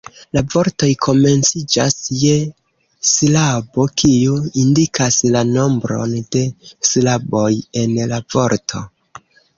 La vortoj komenciĝas je silabo, kiu indikas la nombron de silaboj en la vorto.